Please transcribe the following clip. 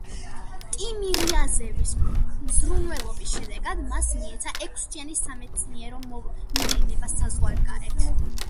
ტიმირიაზევის მზრუნველობის შედეგად მას მიეცა ექვსთვიანი სამეცნიერო მივლინება საზღვარგარეთ.